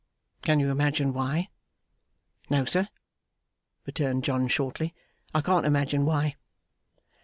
Can you imagine why?' 'No, sir,' returned John, shortly. 'I can't imagine why.